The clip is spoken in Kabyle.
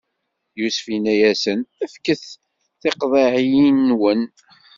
Yusef inna-yasen: Fket tiqeḍɛiyinnwen!